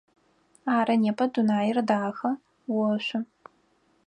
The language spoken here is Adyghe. Ары, непэ дунаир дахэ, ошӏу.